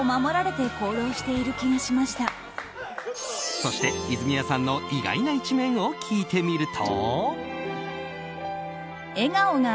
そして泉谷さんの意外な一面を聞いてみると。